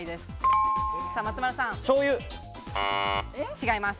違います。